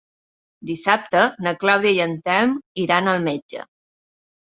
Dissabte na Clàudia i en Telm iran al metge.